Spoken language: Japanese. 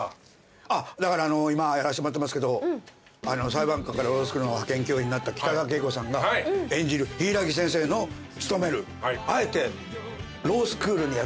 だから今やらしてもらってますけど裁判官からロースクールの派遣教員になった北川景子さんが演じる柊木先生の勤めるあえてロースクールにやって来た柊木先生。